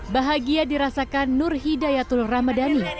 bahagia dirasakan nur hidayatul ramadhani